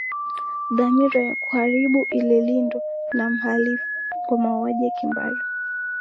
dhamira ya kuharibu iliundwa na mhalifu wa mauaji ya kimbari